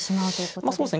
まあそうですね。